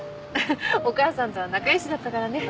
お義母さんとは仲良しだったからね。